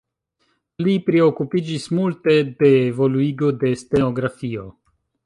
Li priokupiĝis multe de evoluigo de stenografio.